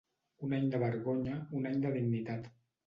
Un any de vergonya, un any de dignitat.